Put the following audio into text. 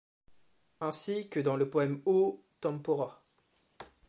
Ainsi que dans le poème O, tempora!